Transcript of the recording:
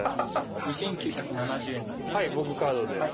２，９７０円になります。